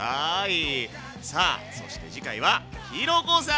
さあそして次回はひろ子さんです。